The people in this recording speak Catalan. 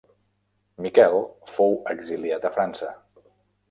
Miquel fou exiliat a França.